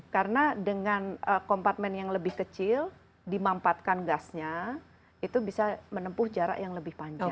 karena dengan kompatmen yang lebih kecil dimampatkan gasnya itu bisa menempuh jarak yang lebih panjang